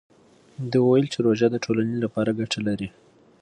ده وویل چې روژه د ټولنې لپاره ګټه لري.